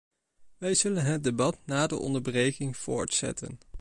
Wij zullen het debat na de onderbreking voortzetten.